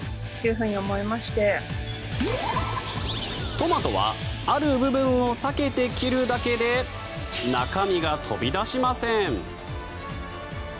トマトはある部分を避けて切るだけで中身が飛び出しません。